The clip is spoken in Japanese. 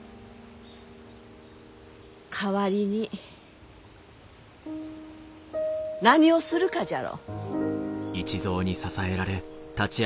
代わりに何をするかじゃろ？